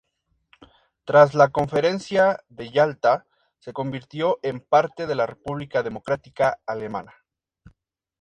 Tras la Conferencia de Yalta, se convirtió en parte de la República Democrática Alemana.